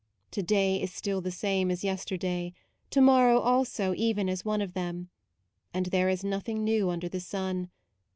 To day is still the same as yesterday, To morrow also even as one of them; And there is nothing new under the sun.